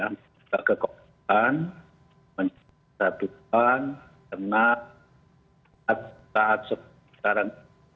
kita kekuatan menyesatukan tenat saat saat seputaran